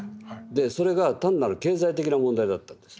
それが単なる経済的な問題だったんです。